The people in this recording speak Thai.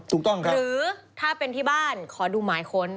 ถูกต้องครับหรือถ้าเป็นที่บ้านขอดูหมายค้น